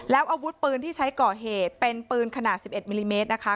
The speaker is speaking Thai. แล้วอาวุธปืนที่ใช้ก่อเหตุเป็นปืนขนาด๑๑มิลลิเมตรนะคะ